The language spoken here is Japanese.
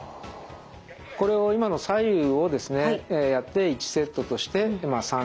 これを今の左右をですねやって１セットとして３回。